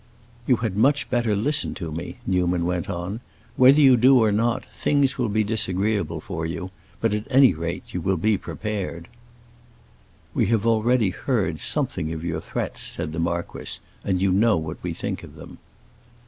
"You had much better listen to me," Newman went on. "Whether you do or not, things will be disagreeable for you; but at any rate you will be prepared." "We have already heard something of your threats," said the marquis, "and you know what we think of them."